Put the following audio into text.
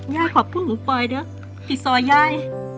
ยายขอบคุณหมูปล่อยด้วยติดซอยยาย